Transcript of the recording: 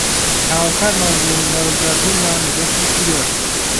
کە هاوکارمان بوون لە رزگاربوونمان لە دەستی تیرۆر